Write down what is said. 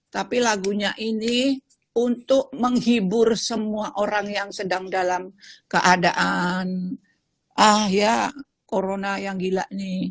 tapi lagunya ini untuk menghibur semua orang yang sedang dalam keadaan ah ya corona yang gila nih